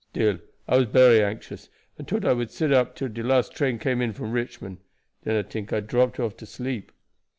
Still I was bery anxious, and tought I would sit up till de last train came in from Richmond. Den I tink I dropped off to sleep."